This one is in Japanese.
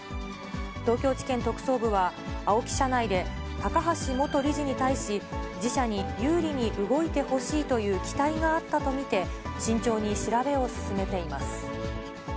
東京地検特捜部はＡＯＫＩ社内で、高橋元理事に対し、自社に有利に動いてほしいという期待があったと見て、慎重に調べを進めています。